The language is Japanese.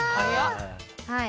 はい。